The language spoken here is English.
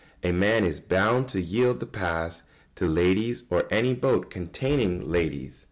A man is bound to yield the pas to ladies or to any boat containing ladies.